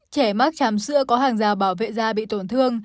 trẻ mắc chàm sữa có hàng da bảo vệ da bị tổn thương